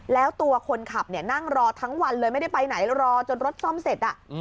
แล้วตัวคนขับเนี่ยนั่งรอทั้งวันเลยไม่ได้ไปไหนรอจนรถซ่อมเสร็จ